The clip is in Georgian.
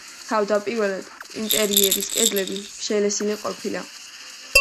თავდაპირველად ინტერიერის კედლები შელესილი ყოფილა.